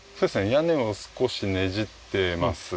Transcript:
屋根を少しねじってますね。